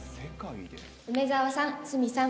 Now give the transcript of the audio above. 梅澤さん、鷲見さん。